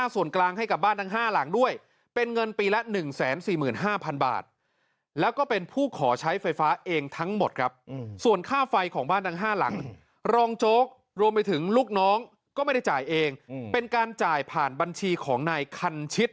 ส่วนค่าไฟของบ้านทั้ง๕หลังรองโจ๊กรวมไปถึงลูกน้องก็ไม่ได้จ่ายเองเป็นการจ่ายผ่านบัญชีของนายคันชิต